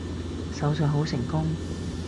手術好成功